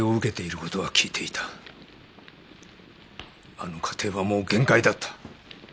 あの家庭はもう限界だった。